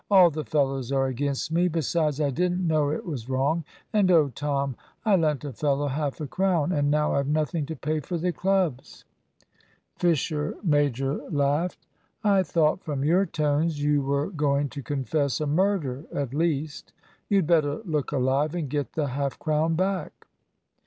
"All the fellows are against me. Besides I didn't know it was wrong; and oh, Tom? I lent a fellow half a crown, and now I've nothing to pay for the clubs!" Fisher major laughed. "I thought from your tones you were going to confess a murder, at least. You'd better look alive and get the half crown back."